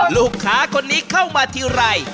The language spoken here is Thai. ลูกค้าคนนี้เข้ามาทีไร